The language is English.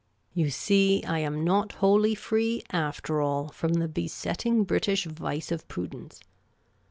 (You see, I am not wholly free, after all, from the besetting British vice of prudence.)